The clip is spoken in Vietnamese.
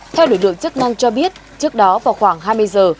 theo đội đội chức năng cho biết trước đó vào khoảng hai mươi giờ